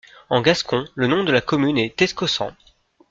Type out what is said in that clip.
En gascon, le nom de la commune est Escossan.